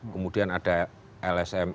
kemudian ada lsm